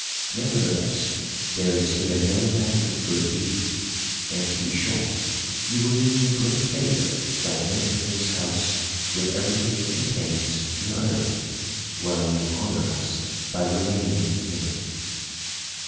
Nevertheless, there is here no lack of good beef, and, to be short, you will do me a great favour by making this house with everything it contains your own, while you honour us by remaining in it."